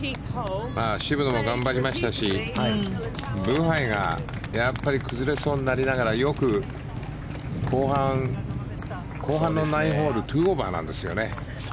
渋野も頑張りましたしブハイが崩れそうになりながらよく後半の９ホール２オーバーなんですよね。